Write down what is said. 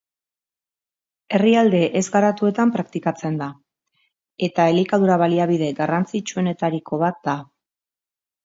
Herrialde ez-garatuetan praktikatzen da, eta elikadura-baliabide garrantzitsuenetariko bat da.